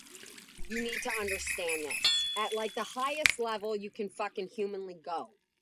At this point, the terminal end buds become less proliferative and decrease in size.